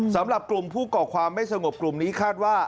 สำหรับกลุ่มผู้ก่อความไม่สงบกลุ่มนี้คาดว่า